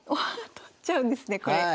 ああっ取っちゃうんですねこれ。